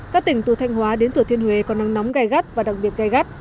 các tỉnh từ thanh hóa đến thừa thiên huế có nắng nóng gai gắt và đặc biệt gai gắt